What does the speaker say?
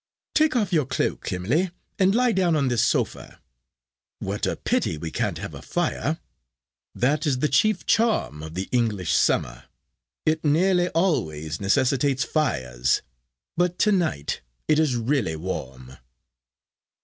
"Take off your cloak, Emily, and lie down on this sofa. What a pity we can't have a fire. That is the chief charm of the English summer. It nearly always necessitates fires. But to night it is really warm."